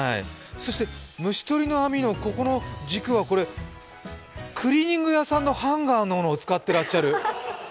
そして虫取りの網をここの軸はこれ、クリーニング屋さんのハンガーのを使ってらっしゃる。